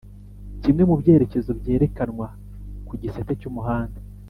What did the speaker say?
kimwe mu byerekezo byerekanwa ku gisate cy'umuhanda